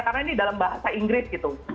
karena ini dalam bahasa inggris gitu